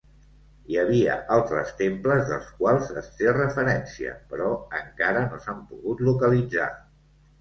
Hi havia altres temples dels quals es té referència, però encara no s'han pogut localitzar.